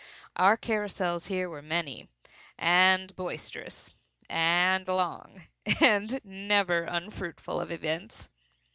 Our carousals here were many, and boisterous, and long, and never unfruitful of events.